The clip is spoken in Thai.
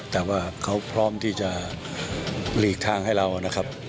แต่ว่าเขาพร้อมที่จะหลีกทางให้เรานะครับ